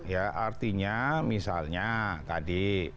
ya artinya misalnya tadi